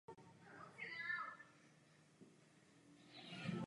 Jediným rozdílem byla forma samotné koruny.